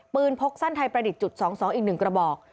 พกสั้นไทยประดิษฐ์จุด๒๒อีก๑กระบอก